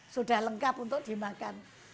sudah lengkap untuk dimakan